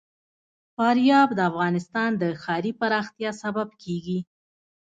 فاریاب د افغانستان د ښاري پراختیا سبب کېږي.